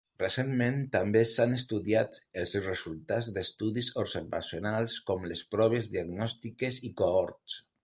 Recentment també s'han estudiat els resultats d'estudis observacionals com les proves diagnòstiques i cohorts.